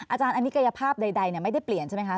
อาจารย์อันนี้กายภาพใดไม่ได้เปลี่ยนใช่ไหมคะ